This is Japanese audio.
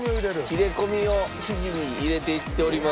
切り込みを生地に入れていっております。